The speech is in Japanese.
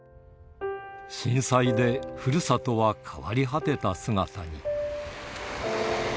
震災で、ふるさとは変わり果てた姿に。